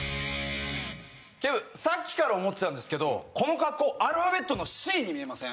警部さっきから思ってたんですけどこの格好アルファベットの「Ｃ」に見えません？